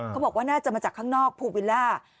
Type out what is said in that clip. เขาบอกว่าน่าจะมาจากข้างนอกภูวิลล่า